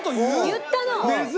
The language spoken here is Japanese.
言ったの！